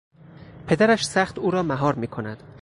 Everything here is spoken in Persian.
پدرش سخت او را مهار میکند.